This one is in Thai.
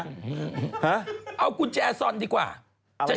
เขากุญแจสอนดีกว่าอะไรครับ